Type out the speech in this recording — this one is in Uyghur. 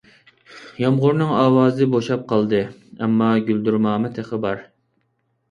يامغۇرنىڭ ئاۋازى بوشاپ قالدى، ئەمما گۈلدۈرماما تېخى بار.